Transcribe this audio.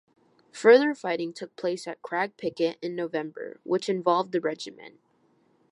Further fighting took place at Crag Picquet in November, which involved the regiment.